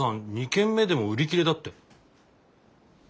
２軒目でも売り切れだって。